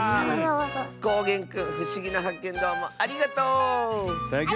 こうげんくんふしぎなはっけんどうもありがとう！